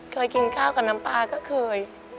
เคยกินข้าวกับน้ำปลาก็เคย